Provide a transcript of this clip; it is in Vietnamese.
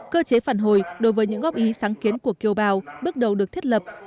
cơ chế phản hồi đối với những góp ý sáng kiến của kiều bào bước đầu được thiết lập